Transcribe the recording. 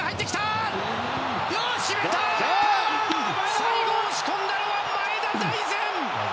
最後、押し込んだのは前田大然！